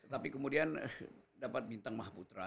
tapi kemudian dapat bintang mahaputra